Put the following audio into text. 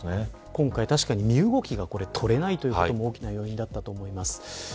今回、身動きが取れないことも大きな要因だったと思います。